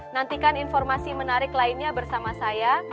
nantikan informasi menarik lainnya bersama saya